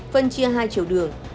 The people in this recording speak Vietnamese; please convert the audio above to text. phân chia hai chiều đường